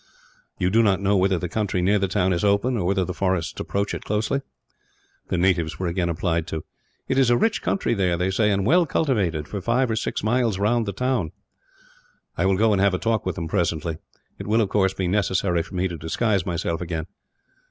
"You do not know whether the country near the town is open, or whether the forests approach it closely?" The natives were again applied to. "It is a rich country there, they say; and well cultivated, for five or six miles round the town." "I will go and have a talk with them, presently. It will, of course, be necessary for me to disguise myself again."